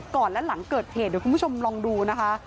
ก่อนและหลังเกิดเหตุเดี๋ยวคุณผู้ชมลองดูนะคะ